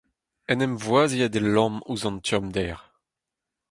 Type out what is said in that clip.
En em voazet eo Lom ouzh an tommder.